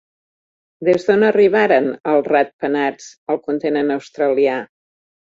Des d'on arribaren els ratpenats al continent australià?